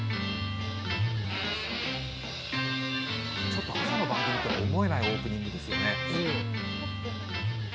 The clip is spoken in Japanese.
ちょっと朝の番組とは思えないオープニングですよね。